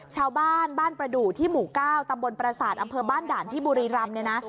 ชาวบ้านบ้านประดูกที่หมู่๙ตำบลประสาทอำเภอบ้านด่านที่บุรีรำเนี่ยนะ